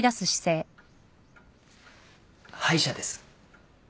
歯医者です。